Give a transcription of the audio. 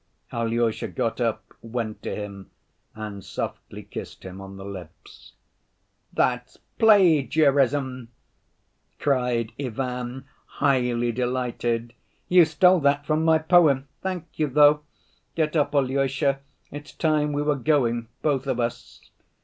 Alyosha got up, went to him and softly kissed him on the lips. "That's plagiarism," cried Ivan, highly delighted. "You stole that from my poem. Thank you though. Get up, Alyosha, it's time we were going, both of us."